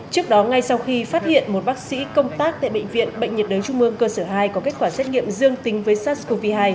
trước đó ngay sau khi phát hiện một bác sĩ công tác tại bệnh viện bệnh nhiệt đới trung mương cơ sở hai có kết quả xét nghiệm dương tính với sars cov hai